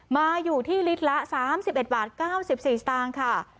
มาอยู่ที่ลิตรละ๓๑บาท๙๔สตางค์ค่ะ